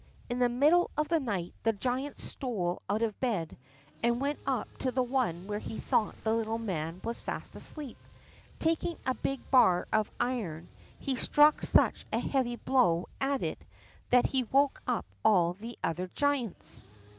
In the middle of the night the giant stole out of bed and went up to the one where he thought the little man was fast asleep. Taking a big bar of iron, he struck such a heavy blow at it that he woke up all the other giants.